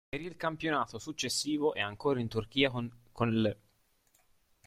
Per il campionato successivo è ancora in Turchia con l'.